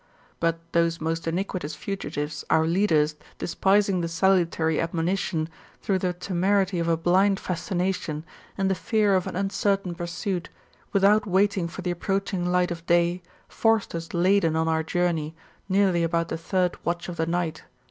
But those most iniquitous fugitives, our leaders, despising the salutary admonition, through the temerity of a blind festination, and the fear of an uncertain pursuit, without waiting for the ap proaching light of day, forced us laden on our journey, nearly about the third watch of the night [